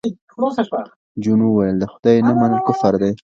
جون وویل د خدای نه منل کفر دی